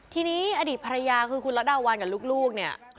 ทีนี้อดีตภรรยาคือคุณระดาวันกับลูกเนี่ย